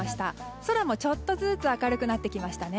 空もちょっとずつ明るくなってきましたね。